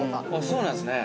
◆そうなんですね。